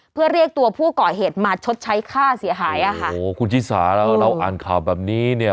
เพื่อเรียกตัวผู้ก่อเหตุมาชดใช้ค่าเสียหายอ่ะค่ะโอ้โหคุณชิสาแล้วเราอ่านข่าวแบบนี้เนี่ย